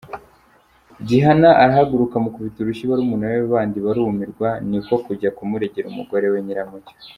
" Gihana arahaguruka amukubita urushyi barumuna be bandi barumirwa ; niko kujya kumuregera umugore we Nyiramucyo.